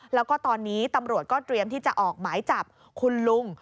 แล้วก็ตอนนี้ตำรวจก็เตรียมที่จะออกหมายจับคุณลุง